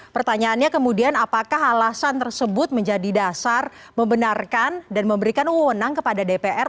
pertanyaannya kemudian apakah alasan tersebut menjadi dasar membenarkan dan memberikan uwenang kepada dpr